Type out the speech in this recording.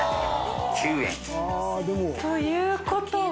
９円。ということは。